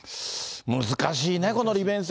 難しいね、この利便性。